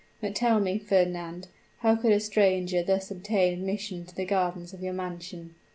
But, tell me, Fernand, how could a stranger thus obtain admission to the gardens of your mansion?"